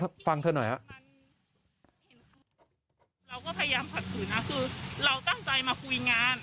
เราก็พยายามถัดสืนนะคือเราตั้งใจมาคุยงาน